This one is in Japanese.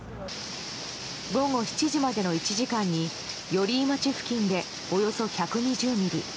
午後７時までの１時間に寄居町付近でおよそ１２０ミリ。